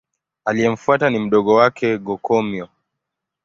Aliyemfuata ni mdogo wake Go-Komyo.